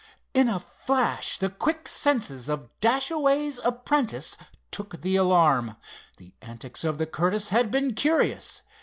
In a flash the quick senses of Dashaway's apprentice took the alarm. The antics of the Curtiss had been curious.